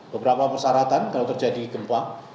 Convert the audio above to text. beberapa persyaratan kalau terjadi gempa